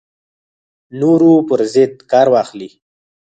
نورو پر ضد کار واخلي